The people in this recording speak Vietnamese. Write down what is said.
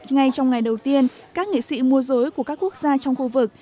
ngay trong ngày đầu tiên các nghệ sĩ mùa dối của các quốc gia trong khu vực